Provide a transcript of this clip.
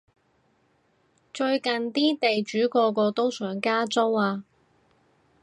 最近啲地主個個都想加租啊